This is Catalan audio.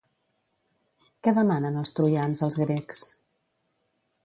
Què demanen els troians als grecs?